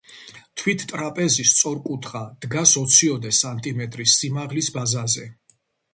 თვით ტრაპეზი სწორკუთხა, დგას ოციოდე სანტიმეტრის სიმაღლის ბაზაზე.